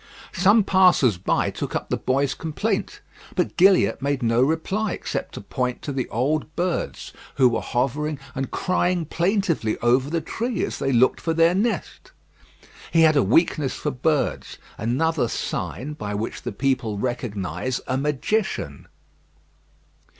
Some passers by took up the boy's complaint; but Gilliatt made no reply, except to point to the old birds, who were hovering and crying plaintively over the tree, as they looked for their nest. He had a weakness for birds another sign by which the people recognise a magician.